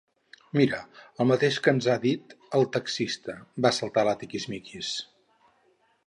Mira, el mateix que ens ha dit el taxista —va saltar la Tiquismiquis.